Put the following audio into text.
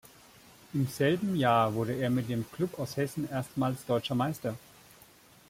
Im selben Jahr wurde er mit dem Club aus Hessen erstmals Deutscher Meister.